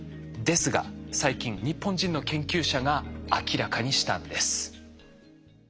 ですが最近日本人の研究者が明らかにしたんです。